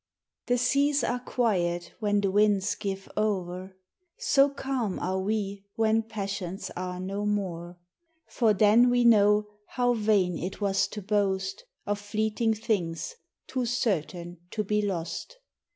The seas are quiet when the winds give o'er ; So calm are we when passions are no more. For then we know how vain it was to boast Of fleeting tilings, too certain to be lost.